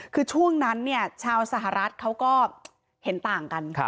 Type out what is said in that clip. คือช่วงนั้นชาวสหรัฐเขาก็เห็นต่างกัน